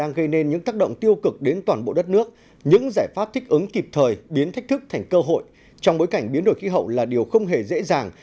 đang gây nên những tác động tiêu cực đến toàn bộ đất nước những giải pháp thích ứng kịp thời biến thách thức thành cơ hội trong bối cảnh biến đổi khí hậu là điều không hề dễ dàng